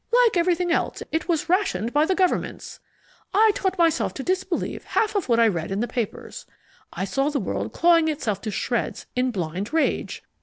"Like everything else, it was rationed by the governments. I taught myself to disbelieve half of what I read in the papers. I saw the world clawing itself to shreds in blind rage.